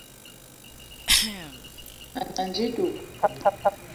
Ànji dud